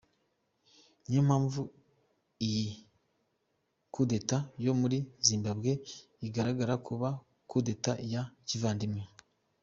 Niyo mpamvu iyi kudeta yo muri Zimbabwe igaragara kuba kudeta ya kivandimwe.